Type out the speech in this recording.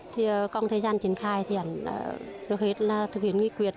trong thời gian triển khai tôi đã thực hiện những việc